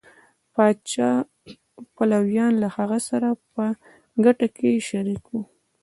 پاچا پلویان له هغه سره په ګټه کې شریک وو.